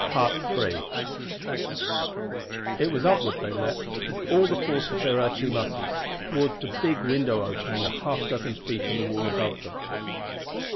It was upward they leaped, with all the force of their earthly muscles, toward the big window opening a half dozen feet in the wall above them.